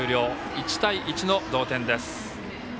１対１の同点です。